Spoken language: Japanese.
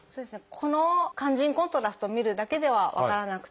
この肝腎コントラストを見るだけでは分からなくて。